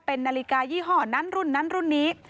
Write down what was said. เป็นนาฬิกายี่ห้อนั้นรุ่นนั้นรุ่นนี้